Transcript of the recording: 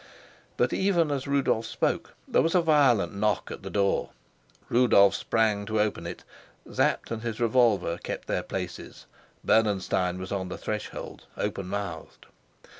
But even as Rudolf spoke there was a violent knock at the door. Rudolf sprang to open it. Sapt and his revolver kept their places. Bernenstein was on the threshold, open mouthed.